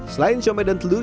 selain shumai dan telur